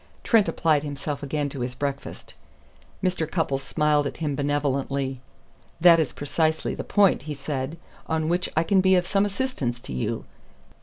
Trent applied himself again to his breakfast. Mr. Cupples smiled at him benevolently. "That is precisely the point," he said, "on which I can be of some assistance to you."